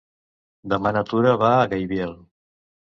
Demà na Tura va a Gaibiel.